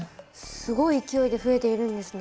すごい勢いで増えているんですね。